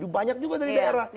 banyak juga dari daerah